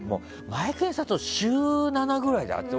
マエケンさんと週７ぐらいで会ってて。